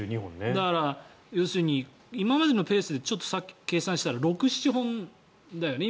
だから、要するに今までのペースでさっき計算したら６７本だよね